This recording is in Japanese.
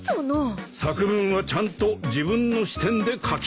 作文はちゃんと自分の視点で書きなさい。